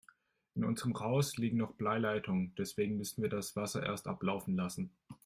In unserem Haus liegen noch Bleileitungen, deswegen müssen wir das Wasser erst ablaufen lassen.